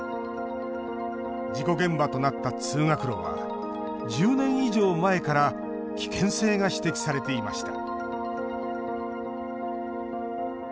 事故現場となった通学路は１０年以上前から危険性が指摘されていました。